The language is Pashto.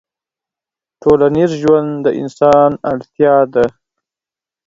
ټولنيز ژوند د انسان اړتيا ده